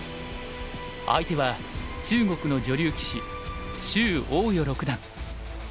相手は中国の女流棋士周泓余六段。